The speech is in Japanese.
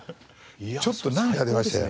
ちょっと涙出ましたよ。